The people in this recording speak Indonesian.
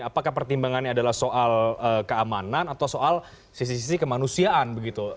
apakah pertimbangannya adalah soal keamanan atau soal sisi sisi kemanusiaan begitu